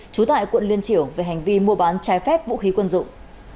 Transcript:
trú tại quận liên triểu về hành vi mua bán trái phép vũ khí quân dụng